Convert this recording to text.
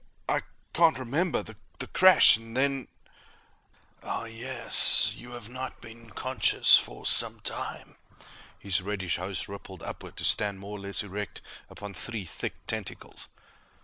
I can't remember. The crash ... and then " "Ah, yes. You have not been conscious for some time." His reddish host rippled upward to stand more or less erect upon three thick tentacles.